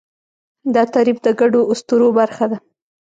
دا تعریف د ګډو اسطورو برخه ده.